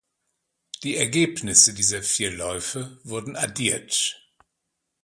Die Ergebnisse dieser vier Läufe wurden addiert.